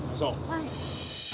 はい。